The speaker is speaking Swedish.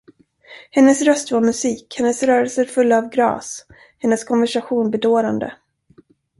Hennes röst var musik, hennes rörelser fulla av grace, hennes konversation bedårande.